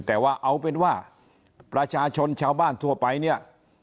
แต่ว่าเอาเป็นว่าประชาชนชาวบ้านทั่วไปเนี่ย